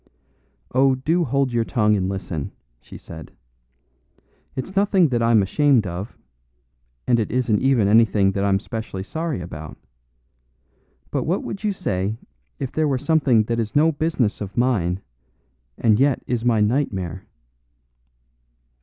"Oh, do hold your tongue and listen," she said. "It's nothing that I'm ashamed of, and it isn't even anything that I'm specially sorry about. But what would you say if there were something that is no business of mine and yet is my nightmare?"